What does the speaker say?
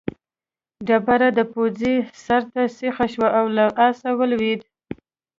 ډبره د پوځي سر ته سیخه شوه او له آسه ولوېد.